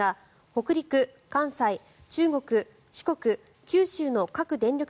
北陸、関西、中国、四国、九州の各電力